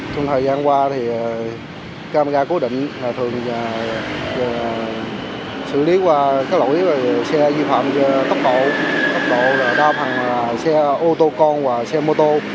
tốc độ là đa phần xe ô tô con và xe mô tô